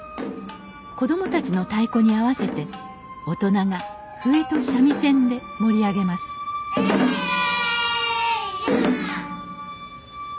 子供たちの太鼓に合わせて大人が笛と三味線で盛り上げますえいや！